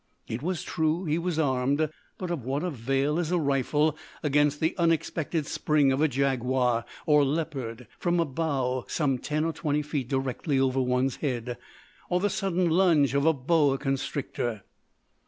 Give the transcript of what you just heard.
It was true he was armed, but of what avail is a rifle against the unexpected spring of a jaguar or leopard from a bough some ten or twenty feet directly over one's head or the sudden lunge of a boa constrictor!